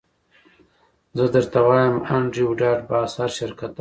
زه درته وایم انډریو ډاټ باس هر شرکت دا کوي